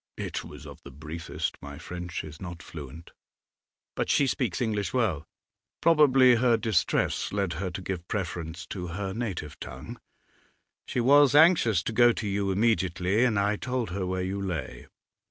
'It was of the briefest; my French is not fluent.' 'But she speaks English well.' 'Probably her distress led her to give preference to her native tongue. She was anxious to go to you immediately, and I told her where you lay.